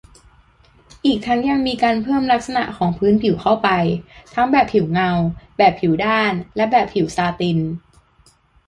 อีกทั้งยังมีการเพิ่มลักษณะของพื้นผิวเข้าไป ทั้งแบบผิวเงา แบบผิวด้าน และแบบผิวซาติน